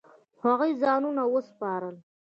هغوی ځانونه وسپارل.